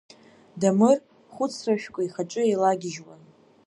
Дамыр хәыцрашәкы ихаҿы еилагьежьуан…